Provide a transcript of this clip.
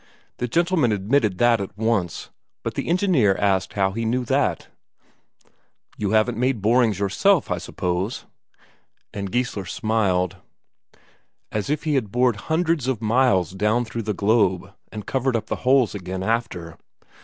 The gentlemen admitted that at once, but the engineer asked: How did he know that "You haven't made borings yourself, I suppose?" And Geissler smiled, as if he had bored hundreds of miles down through the globe, and covered up the holes again after.